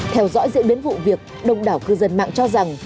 theo dõi diễn biến vụ việc đông đảo cư dân mạng cho rằng